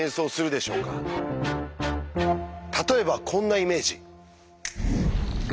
例えばこんなイメージ？